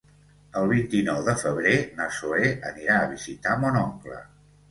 El vint-i-nou de febrer na Zoè anirà a visitar mon oncle.